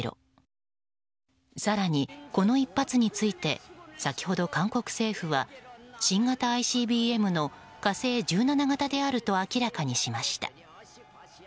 更にこの１発について先ほど、韓国政府は新型ＩＣＢＭの「火星１７型」であると明らかにしました。